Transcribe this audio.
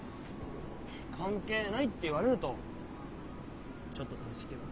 「関係ない」って言われるとちょっと寂しいけど。